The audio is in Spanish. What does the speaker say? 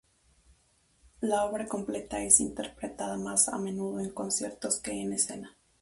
La obra completa es interpretada más a menudo en conciertos que en escena.